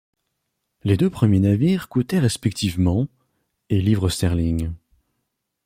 Les deux premiers navires coûtèrent respectivement et livres sterling.